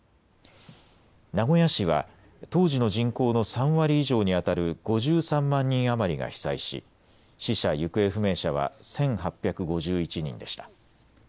名古屋市は当時の人口の３割以上にあたる５３万人余りが被災し、死者・行方不明者は１８５１人でした。